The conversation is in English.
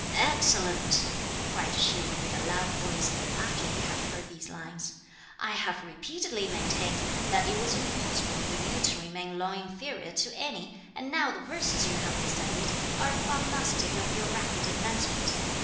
"Excellent!" cried Shih yin with a loud voice, after he had heard these lines; "I have repeatedly maintained that it was impossible for you to remain long inferior to any, and now the verses you have recited are a prognostic of your rapid advancement.